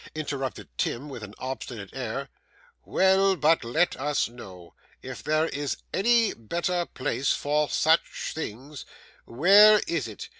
interrupted Tim, with an obstinate air. 'Well, but let us know. If there is any better place for such things, where is it?